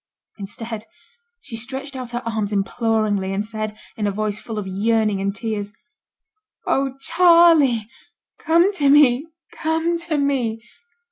Instead she stretched out her arms imploringly, and said, in a voice full of yearning and tears, 'Oh! Charley! come to me come to me!'